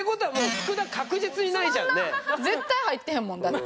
絶対入ってへんもんだって。